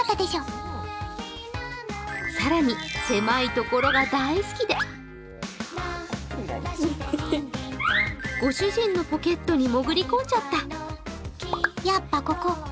更に、狭いところが大好きでご主人のポケットにもぐり込んじゃった。